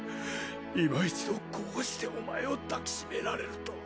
いま一度こうしてお前を抱き締められるとは。